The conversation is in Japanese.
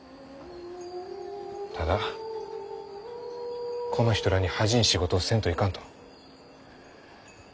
ただこの人らに恥じん仕事をせんといかんと。